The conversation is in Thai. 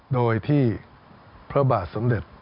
โดยที่พระบาทสมเด็จ